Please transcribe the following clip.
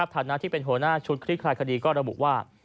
ฐานะที่เป็นหัวหน้าชุดคลี่คลายคดีก็ระบุว่า